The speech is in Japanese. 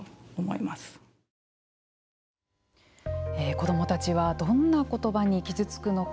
子どもたちはどんな言葉に傷つくのか。